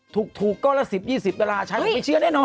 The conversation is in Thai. ถูกก็ละ๑๐๒๐ดาราใช้ก็ไม่เชื่อแน่นอน